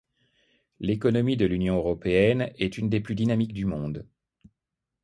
L'économie de l'Union Européenne est une des plus dynamiques du monde.